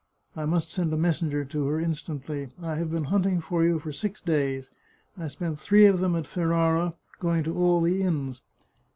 I must send a messenger to her instantly. I have been hunt ing for you for six days ; I spent three of them at Ferrara, going to all the inns."